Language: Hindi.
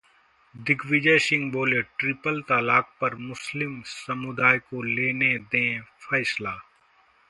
दिग्विजय सिंह बोले- ट्रिपल तलाक पर मुस्लिम समुदाय को लेने दें फैसला